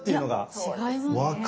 いや違いますね。